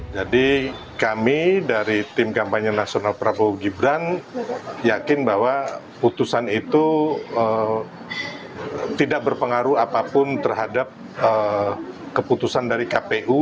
jadi kami dari tim kampanye nasional prabowo gibran yakin bahwa putusan itu tidak berpengaruh apapun terhadap keputusan dari kpu